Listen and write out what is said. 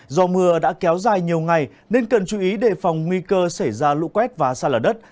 do mưa đã kéo dài nhiều ngày nên cần chú ý đề phòng nguy cơ xảy ra lũ quét và xa lở đất